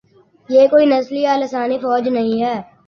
یہ کوئی نسلی یا لسانی فوج نہیں ہے۔